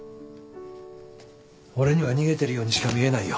俺には逃げてるようにしか見えないよ。